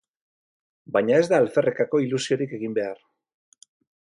Baina ez da alferrikako ilusiorik egin behar.